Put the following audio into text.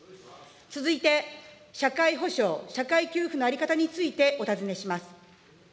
続いて社会保障、社会給付の在り方についてお尋ねします。